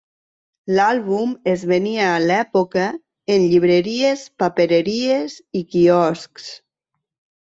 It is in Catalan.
L'àlbum es venia a l'època en llibreries, papereries i quioscs.